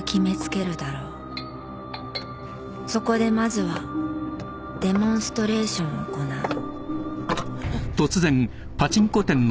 「そこでまずはデモンストレーションを行う」